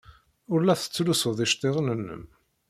Ur la tettlusuḍ iceḍḍiḍen-nnem.